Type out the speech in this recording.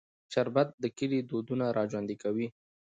شربت د کلي دودونه راژوندي کوي